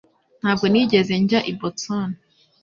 Ntabwo nigeze njya i Boston